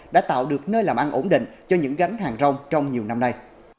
đã tạo được nơi làm ăn ổn định cho những gánh hàng rong trong nhiều năm nay